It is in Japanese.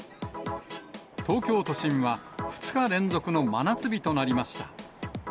東京都心は２日連続の真夏日となりました。